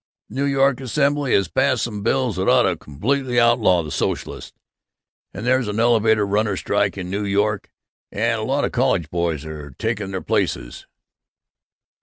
New York Assembly has passed some bills that ought to completely outlaw the socialists! And there's an elevator runners' strike in New York and a lot of college boys are taking their places.